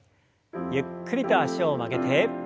ゆっくりと脚を曲げて。